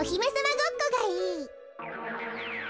ごっこがいい。